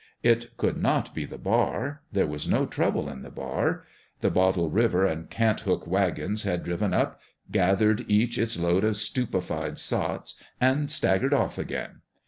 It could not be the bar. There was no trouble in the bar. The Bottle River and Cant hook wagons had driven up, gathered each its load of stupefied sots, and staggered off again.